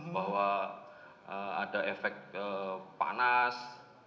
bahwa ada efek panas